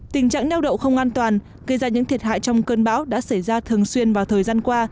tình trạng neo đậu không an toàn gây ra những thiệt hại trong cơn bão đã xảy ra thường xuyên vào thời gian qua